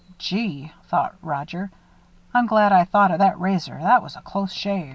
"Gee!" thought Roger, "I'm glad I thought of that razor that was a close shave."